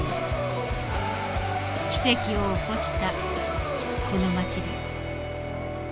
奇跡を起こしたこの町で。